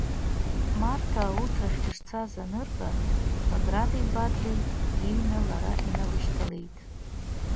Марҭа ауҭрахь дышцаз анырба, Баграти Бадреи иҩны лара иналышьҭалеит.